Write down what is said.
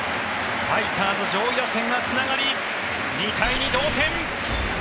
ファイターズ上位打線がつながり２対２、同点。